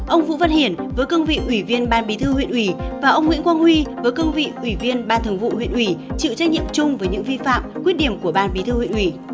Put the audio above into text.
ông vũ văn hiển với cương vị ủy viên ban bí thư huyện ủy và ông nguyễn quang huy với cương vị ủy viên ban thường vụ huyện ủy chịu trách nhiệm chung với những vi phạm khuyết điểm của ban bí thư huyện ủy